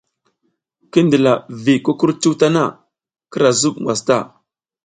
Ki ndila vi kukurcuw tana, kira zub ngwas ta.